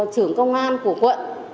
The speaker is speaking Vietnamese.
trưởng công an của quận